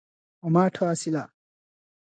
ଅମାଠ ଆସିଲା?